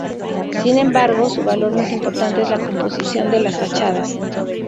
Sin embargo, su valor más importante es la composición de las fachadas.